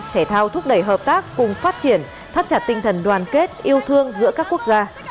thể thao thúc đẩy hợp tác cùng phát triển thắt chặt tinh thần đoàn kết yêu thương giữa các quốc gia